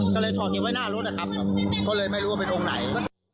ก็เลยถอดเก็บไว้หน้ารถนะครับก็เลยไม่รู้ว่าไปตรงไหน